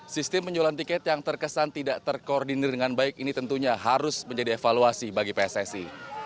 sistem penjualan tiket yang terkesan tidak terkoordinir dengan baik ini tentunya harus menjadi evaluasi bagi pssi